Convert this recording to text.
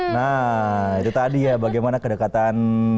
nah itu tadi ya bagaimana kedekatan